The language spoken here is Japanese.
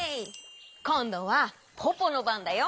こんどはポポのばんだよ。